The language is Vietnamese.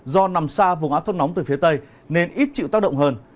do nằm xa vùng át thấp nóng từ phía tây nên ít chịu tác động hơn